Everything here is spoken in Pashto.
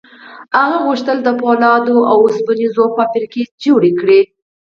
هغه غوښتل د پولادو او اوسپنې ذوب فابریکې جوړې کړي